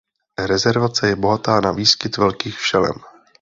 Rezervace je bohatá na výskyt velkých šelem.